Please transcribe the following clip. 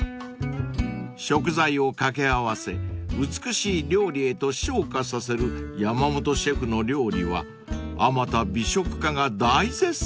［食材を掛け合わせ美しい料理へと昇華させる山本シェフの料理はあまた美食家が大絶賛］